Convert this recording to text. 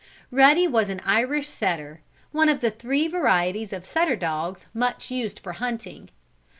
Ruddy was an Irish setter, one of the three varieties of setter dogs much used for hunting.